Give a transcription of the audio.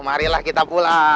marilah kita pulang